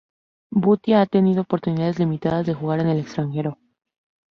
Bhutia ha tenido oportunidades limitadas de jugar en el extranjero.